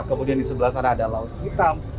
kemudian di sebelah sana ada laut hitam